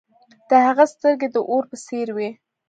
د هغه سترګې د اور په څیر وې.